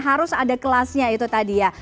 harus ada kelasnya itu tadi ya